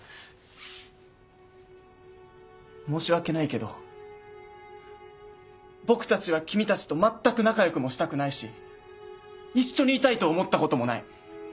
申し訳ないけど僕たちは君たちと全く仲良くもしたくないし一緒にいたいと思ったこともない。